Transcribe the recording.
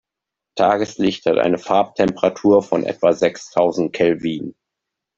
Tageslicht hat eine Farbtemperatur von etwa sechstausend Kelvin.